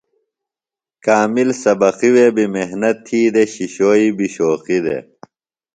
کامل سبقی وے بیۡ محنت تھی دےۡ شِشوئی بیۡ شوقی دے۔